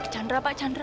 pak chandra pak chandra